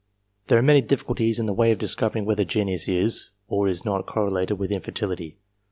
There are many difficulties in the way of discovering whether genius is, or is not, correlated with infertility.